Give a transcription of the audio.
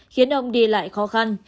khiến ông đi lại khó khăn